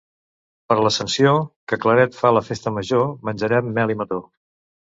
Per l'Ascensió, que Claret fa la festa major, menjarem mel i mató.